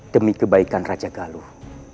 demi kebaikan raja galuh